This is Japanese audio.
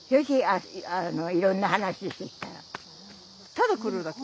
ただ来るだけ？